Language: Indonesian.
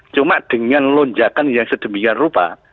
cuma dengan lonjakan yang sedemikian rupa